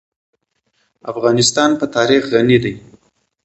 افغانستان په تاریخ غني دی.